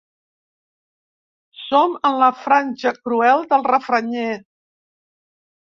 Som en la franja cruel del refranyer.